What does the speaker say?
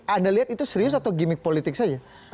anda lihat itu serius atau gimmick politik saja